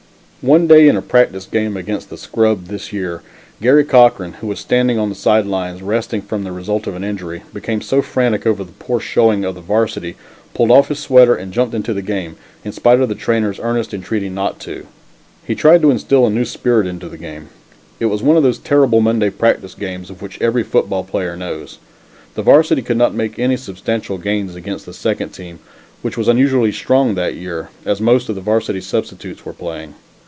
One day in a practice game, against the scrub, this year, Garry Cochran, who was standing on the side lines resting from the result of an injury, became so frantic over the poor showing of the varsity, pulled off his sweater and jumped into the game in spite of the trainers' earnest entreaty not to. He tried to instill a new spirit into the game. It was one of those terrible Monday practice games, of which every football player knows. The varsity could not make any substantial gains against the second team, which was unusually strong that year, as most of the varsity substitutes were playing.